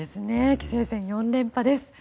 棋聖戦４連覇です。